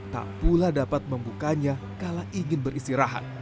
tak pula dapat membukanya kala ingin beristirahat